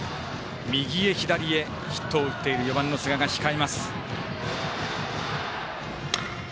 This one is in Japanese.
右へ左へ、ヒットを打っている４番の寿賀が控えます。